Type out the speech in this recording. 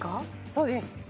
そうです